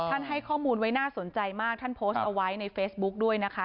ให้ข้อมูลไว้น่าสนใจมากท่านโพสต์เอาไว้ในเฟซบุ๊กด้วยนะคะ